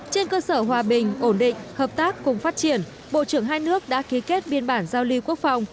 trên cơ sở hòa bình ổn định hợp tác cùng phát triển bộ trưởng hai nước đã ký kết biên bản giao ly quốc phòng